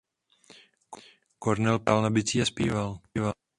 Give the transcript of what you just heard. Cornell původně hrál na bicí a zpíval.